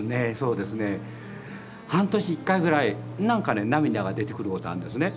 半年１回くらいなんかね涙が出てくることがあるんですね。